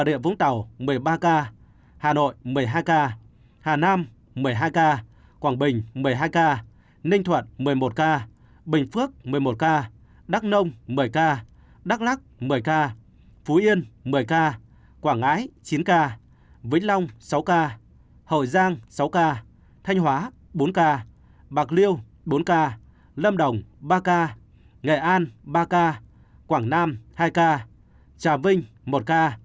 địa vũng tàu một mươi ba ca hà nội một mươi hai ca hà nam một mươi hai ca quảng bình một mươi hai ca ninh thuận một mươi một ca bình phước một mươi một ca đắk nông một mươi ca đắk lắc một mươi ca phú yên một mươi ca quảng ngãi chín ca vĩnh long sáu ca hội giang sáu ca thanh hóa bốn ca bạc liêu bốn ca lâm đồng ba ca nghệ an ba ca quảng nam hai ca trà vinh một ca